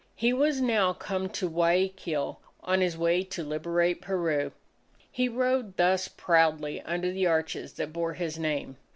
He was now come to Guayaquil on his way to liberate Peru. He rode thus proudly under the arches that bore his name.